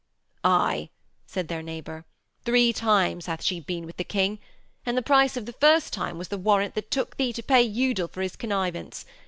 'Aye,' said their neighbour, 'three times hath she been with the King. And the price of the first time was the warrant that took thee to pay Udal for his connivance.